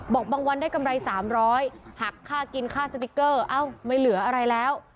บางวันได้กำไร๓๐๐หักค่ากินค่าสติ๊กเกอร์เอ้าไม่เหลืออะไรแล้ว